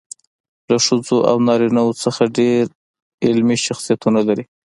له ښځو او نارینه وو څخه ډېر علمي شخصیتونه لري.